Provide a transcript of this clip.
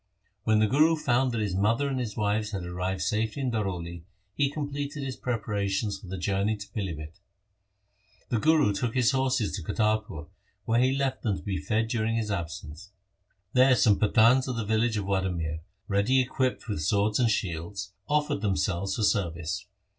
When the Guru found that his mother and his wives had arrived safely in Daroli, he com pleted his preparations for the journey to Pilibhit. The Guru took his horses to Kartarpur, where he left them to be fed during his absence. There some Pathans of the village of Wadamir, ready equipped with swords and shields, offered themselves for service.